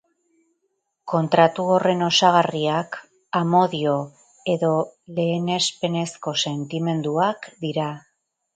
Kontratu horren osagarriak amodio edo lehenespenezko sentimenduak dira.